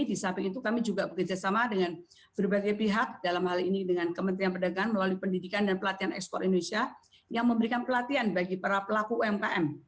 di samping itu kami juga bekerjasama dengan berbagai pihak dalam hal ini dengan kementerian perdagangan melalui pendidikan dan pelatihan ekspor indonesia yang memberikan pelatihan bagi para pelaku umkm